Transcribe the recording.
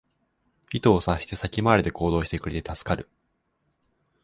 意図を察して先回りで行動してくれて助かる